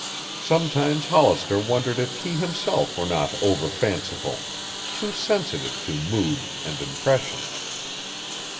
Sometimes Hollister wondered if he himself were not overfanciful, too sensitive to moods and impressions.